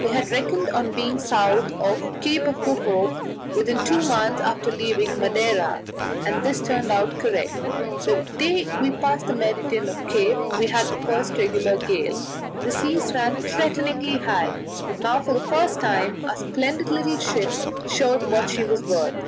We had reckoned on being south of the Cape of Good Hope within two months after leaving Madeira, and this turned out correct. The day we passed the meridian of the Cape we had the first regular gale; the seas ran threateningly high, but now for the first time our splendid little ship showed what she was worth.